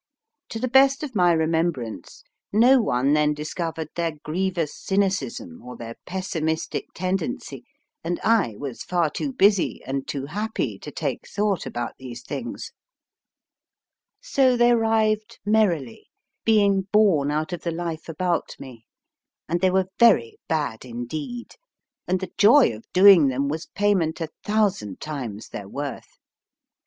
To the best of my remembrance, no one then discovered their grievous cynicism, or their pessimistic tendency, and I was far too busy, and too happy, to take thought about these things. 94 MY FIRST BOOK So they arrived merrily, being born out of the life about me, and they were very bad indeed, and the joy of doing them was payment a thousand times their worth.